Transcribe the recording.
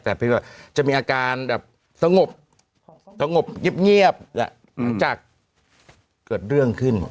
แต่พี่ก็จะมีอาการแบบสงบสงบเงียบหลังจากเกิดเรื่องขึ้น